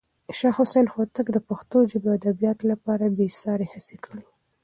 شاه حسين هوتک د پښتو ژبې او ادب لپاره بې ساری هڅې کړې.